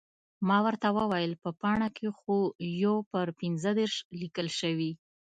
ما ورته وویل، په پاڼه کې خو یو پر پنځه دېرش لیکل شوي.